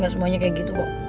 semuanya kayak gitu kok